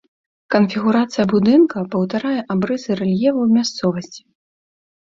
Канфігурацыя будынка паўтарае абрысы рэльефу мясцовасці.